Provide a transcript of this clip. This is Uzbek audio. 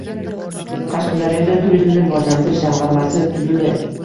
Qashqadaryoda turizmni rivojlantirish jamg‘armasi tuzildi